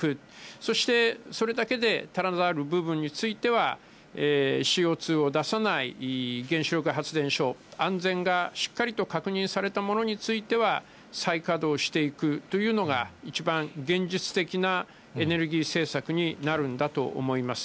そして、それだけで足らざる部分については、ＣＯ２を出さない原子力発電所、安全がしっかりと確認されたものについては、再稼働していくというのが一番現実的なエネルギー政策になるんだと思います。